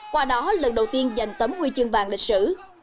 qua đó lần đầu tiên giành tấm huy chương vàng lịch sử